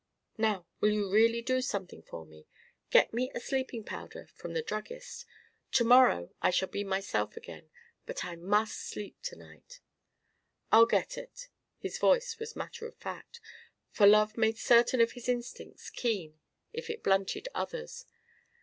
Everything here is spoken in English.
"Now will you really do something for me get me a sleeping powder from the druggist? To morrow I shall be myself again, but I must sleep to night." "I'll get it." His voice was matter of fact, for love made certain of his instincts keen if it blunted others.